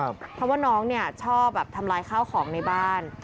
เพราะว่าน้องชอบทำร้ายข้าวของในบ้าน